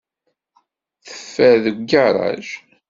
Teffer deg ugaṛaj.